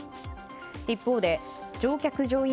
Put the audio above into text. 一方で乗客・乗員